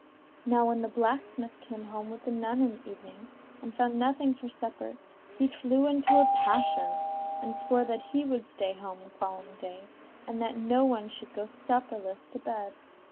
Now when the blacksmith came home with the nun in the evening, and found nothing for supper, he flew into a passion; and swore that he would stay at home the following day, and that no one should go supperless to bed.